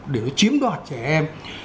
để nó chiếm đoạt trẻ em